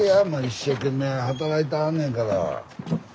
一生懸命働いてはんねんから。